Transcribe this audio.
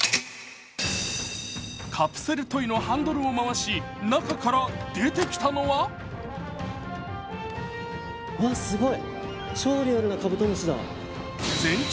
カプセルトイのハンドルを回し中から出てきたのは全長